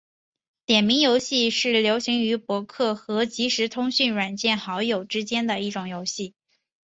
点名游戏是流行于博客和即时通讯软件好友之间的一种游戏。